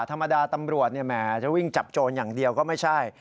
ธรรมดาตำรวจแหมจะวิ่งจับโจรอย่างเดียวก็ไม่ใช่